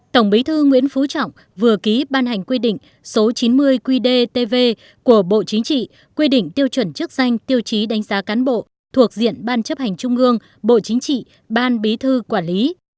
tổng bí thư nguyễn phú trọng vừa ký ban hành quy định số chín mươi qdtv của bộ chính trị quy định tiêu chuẩn chức danh tiêu chí đánh giá cán bộ thuộc diện ban chấp hành trung ương bộ chính trị ban bí thư quản lý